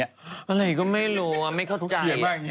อะไรก็ไม่รู้ไม่เข้าใจ